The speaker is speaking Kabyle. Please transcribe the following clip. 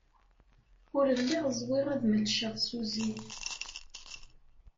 Ul lliɣ ẓwiɣ ad melceɣ Suzie.